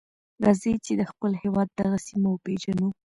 راځئ چې د خپل هېواد دغه سیمه وپیژنو.